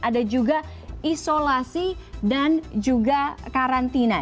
ada juga isolasi dan juga karantina